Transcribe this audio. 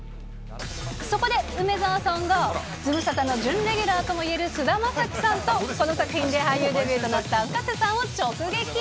そこで梅澤さんが、ズムサタの準レギュラーともいえる菅田将暉さんとこの作品で俳優デビューとなったＦｕｋａｓｅさんを直撃。